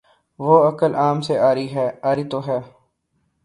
وہ عقل عام سے عاری تو ہے۔